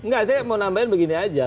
enggak saya mau nambahin begini aja